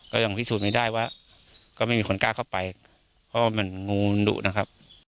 ก็ยังพิสูจน์ไม่ได้ว่าก็ไม่มีคนกล้าเข้าไปเพราะแบบเหมือนมีพี่มือดูนะครับ